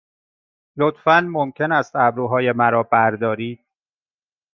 لطفاً ممکن است ابروهای مرا بردارید؟